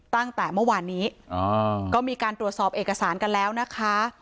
ตั้งแต่เมื่อวานนี้ก็มีการตรวจสอบเอกสารกันแล้วนะคะ